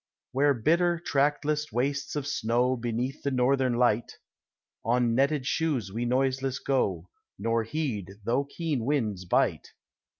Where glitter trackless wastes of snow Beneath the northern light, On netted shoes we noiseless go, Nor heed though keen winds bite.